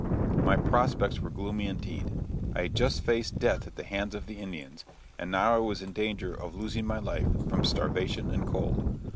My prospects were gloomy indeed. I had just faced death at the hands of the Indians, and now I was in danger of losing my life from starvation and cold.